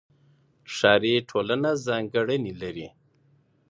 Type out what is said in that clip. ښاري ټولنه ځانګړنې لري.